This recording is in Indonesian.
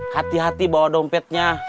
hati hati bawa dompetnya